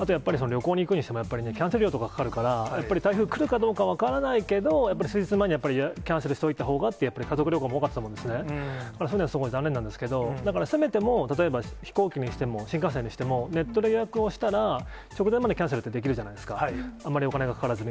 あとやっぱり旅行に行くにしても、やっぱりキャンセル料とかかかるから、やっぱり台風来るかどうか分からないけれど、数日前にやっぱりキャンセルしておいたほうが、家族旅行、すごい残念なんですけれども、せめても、例えば飛行機にしても、新幹線にしてもネットで予約したら、直前までキャンセルってできるじゃないですか、あんまりお金がかからずに。